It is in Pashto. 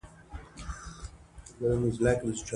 د ځمکې لړزیدو ته زلزله وایي